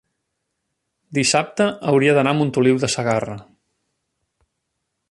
dissabte hauria d'anar a Montoliu de Segarra.